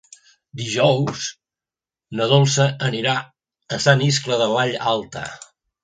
Dijous na Dolça anirà a Sant Iscle de Vallalta.